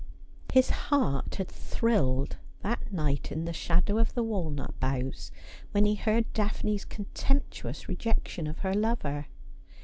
His heart had thrilled that night in the shadow of the walnut boughs when he heard Daphne's contemptuous rejec tion of her lover.